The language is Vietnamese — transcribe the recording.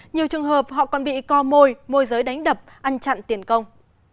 nhiều trường hợp họ còn bị co mồi môi giới đánh đập ăn chặn tiền công